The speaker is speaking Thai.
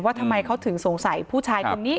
ทำไมเขาถึงสงสัยผู้ชายคนนี้